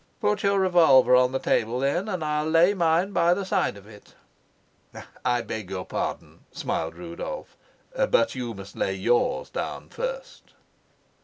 "Put your revolver on the table, then, and I'll lay mine by the side of it." "I beg your pardon," smiled Rudolf, "but you must lay yours down first."